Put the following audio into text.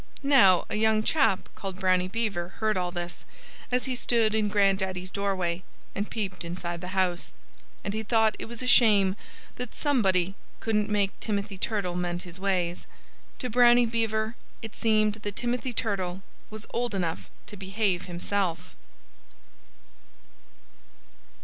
Now, a young chap called Brownie Beaver heard all this, as he stood in Grandaddy's doorway and peeped inside the house. And he thought it was a shame that somebody couldn't make Timothy Turtle mend his ways. To Brownie Bearer it seemed that Timothy Turtle was old enough to behave himself.